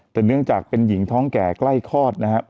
แต่เนื่องจากเป็นหญิงท้องแก่ใกล้คลอดนะครับ